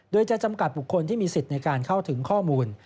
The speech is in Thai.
โดยจะจำกัดบุคคลที่มีสิทธิ์ในการเข้าถึงข้อมูล